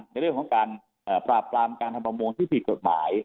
ในเรื่องของการปราบปรามการทำประมงที่ผิดกฎหมาย